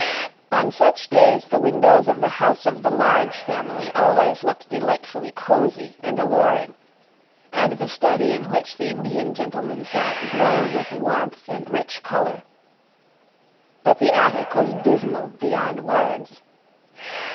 On such days the windows of the house of the Large Family always looked delightfully cozy and alluring, and the study in which the Indian gentleman sat glowed with warmth and rich color. But the attic was dismal beyond words.